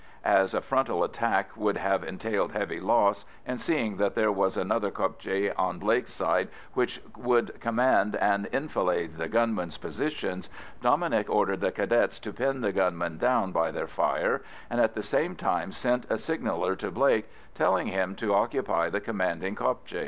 As a frontal attack would have entailed heavy loss, and seeing that there was another kopje on Blake's side which would command and enfilade the gunmen's positions, Dominic ordered the Cadets to pin the gunmen down by their fire, and at the same time sent a signaller to Blake telling him to occupy the commanding kopje.